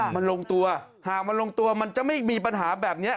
มันลงตัวหากมันลงตัวมันจะไม่มีปัญหาแบบนี้